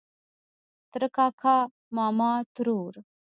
ترۀ کاکا ماما ترور